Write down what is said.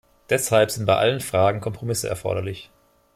Deshalb sind bei allen Fragen Kompromisse erforderlich.